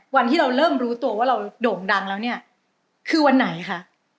วันที่เราเริ่มรู้ตัวว่าเราโด่งดังแล้วเนี่ยคือวันไหนคะ